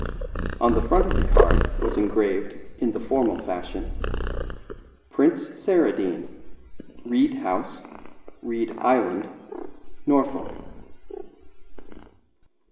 On the front of the card was engraved in the formal fashion, "Prince Saradine, Reed House, Reed Island, Norfolk."